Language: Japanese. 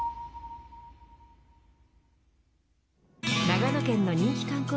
長野県の人気観光